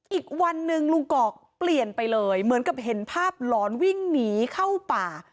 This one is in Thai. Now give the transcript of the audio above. อีกวันหนึ่งลุงกอกเปลี่ยนไปเลยเหมือนกับเห็นภาพหลอนวิ่งหนีเข้าป่า